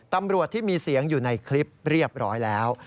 ตำรวจที่มีเสียงอยู่ในคลิปเรียบร้อยแล้ว